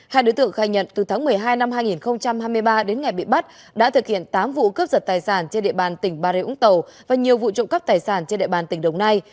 hai đối tượng khai nhận từ tháng một mươi hai năm hai nghìn hai mươi ba đến ngày bị bắt đã thực hiện tám vụ cướp giật tài sản trên địa bàn tỉnh bà rịa úng tàu và nhiều vụ trộm cắp tài sản trên địa bàn tỉnh đồng nai